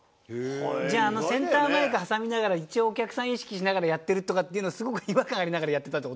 じゃあセンターマイク挟みながら一応お客さん意識しながらやってるとかっていうのすごく違和感ありながらやってたって事？